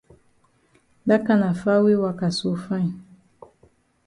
Dat kana far way waka so fine.